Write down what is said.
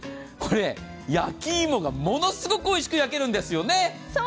これ、焼き芋がものすごくおいしくできるんですよね。